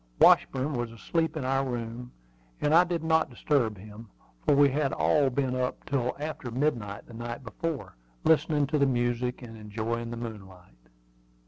Washburn was asleep in our room, and I did not disturb him, for we had all been up till after midnight the night before, listening to the music, and enjoying the moonlight.